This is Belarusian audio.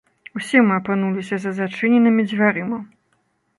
Усе мы апынуліся за зачыненымі дзвярыма.